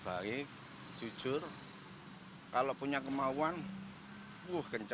betulkan breve memiliki sekazar iruul bertrebaren intigan mechanics